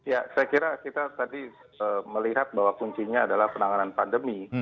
ya saya kira kita tadi melihat bahwa kuncinya adalah penanganan pandemi